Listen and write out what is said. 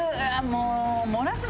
もう。